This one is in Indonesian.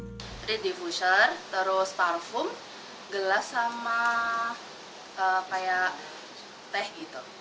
jadi diffuser terus parfum gelas sama kayak teh gitu